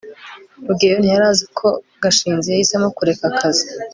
rugeyo ntiyari azi ko gashinzi yahisemo kureka akazi